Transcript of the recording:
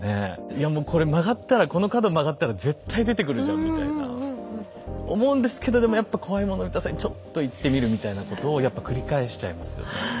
いやもうこれ曲がったらこの角曲がったら絶対出てくるじゃんみたいな思うんですけどでもやっぱ怖いもの見たさにちょっと行ってみるみたいなことをやっぱ繰り返しちゃいますよね。